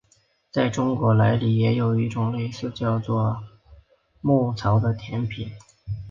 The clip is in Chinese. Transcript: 在中国菜里也有一种类似的叫做醪糟的甜品。